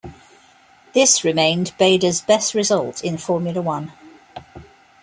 This remained Badoer's best result in Formula One.